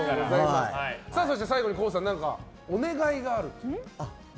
最後にＫＯＯさんお願いがあると。